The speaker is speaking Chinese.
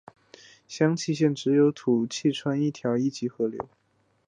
香川县只有土器川一条一级河川。